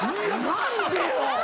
何でよ。